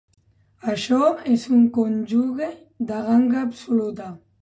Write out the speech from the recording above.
Això és un cònjuge de ganga absoluta.